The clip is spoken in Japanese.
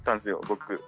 僕。